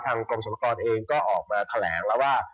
ทางกรมสมัครเองก็ออกมาแถลงแล้วว่า